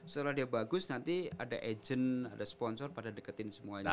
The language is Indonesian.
setelah dia bagus nanti ada agent ada sponsor pada deketin semuanya